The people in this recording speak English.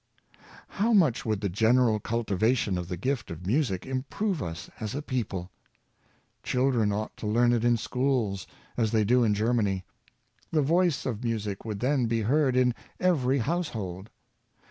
How much would the general cultivation of the gift of music improve us as a people ! Children ought to learn it in schools, as they do in Germany. The voice of music would then be heard in every household.